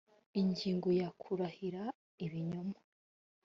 ingingo ya kurahira ibinyoma